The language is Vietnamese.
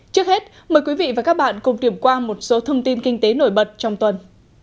trước hết mời quý vị và các bạn cùng điểm qua một số thông tin kinh tế nổi bật trong tuần